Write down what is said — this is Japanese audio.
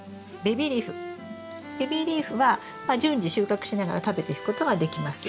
ベビーリーフは順次収穫しながら食べていくことができます。